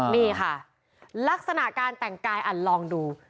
นี่ค่ะลักษณะการแต่งกายลองดู